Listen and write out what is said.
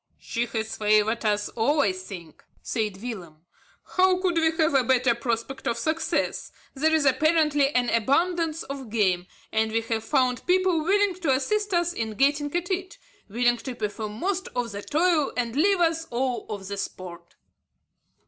"She has favoured us all I think," said Willem. "How could we have a better prospect of success? There is apparently an abundance of game; and we have found people willing to assist us in getting at it, willing to perform most of the toil and leave us all of the sport."